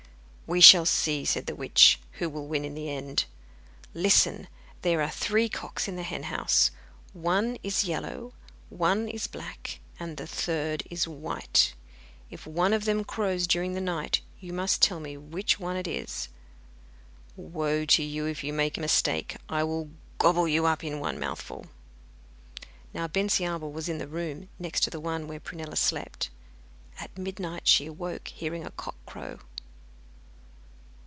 'We shall see,' said the witch, 'who will win in the end. Listen, there are three cocks in the hen house; one is yellow, one black, and the third is white. If one of them crows during the night you must tell me which one it is. Woe to you if you make a mistake. I will gobble you up in one mouthful.' Now Bensiabel was in the room next to the one where Prunella slept. At midnight she awoke hearing a cock crow.